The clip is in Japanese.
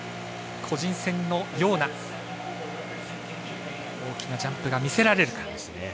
個人戦のような大きなジャンプが見せられるか。